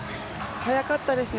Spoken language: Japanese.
早かったですね。